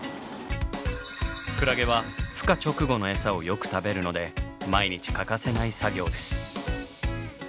クラゲはふ化直後のエサをよく食べるので毎日欠かせない作業です。